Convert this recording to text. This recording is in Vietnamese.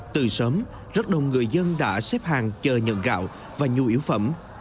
từ sớm rất đông người dân đã xếp hàng chờ nhận gạo và nhu yếu phẩm